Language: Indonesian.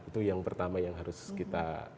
itu yang pertama yang harus kita